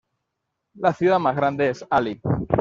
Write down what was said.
La ciudad más grande es Ali.